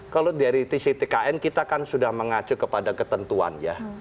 kalau dari sisi tkn kita kan sudah mengacu kepada ketentuan ya